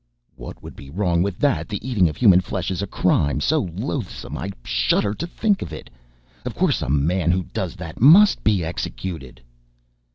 "What would be wrong with that? The eating of human flesh is a crime so loathsome I shudder to think of it. Of course a man who does that must be executed."